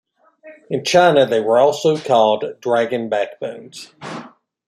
In China, they were also called "dragon backbones".